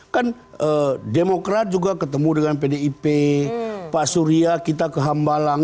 kan demokrat juga ketemu dengan pdip pak surya kita ke hambalang